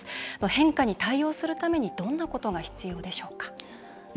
変化に対応するためにどんなことが必要でしょうか？